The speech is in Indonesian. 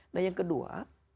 nah yang kedua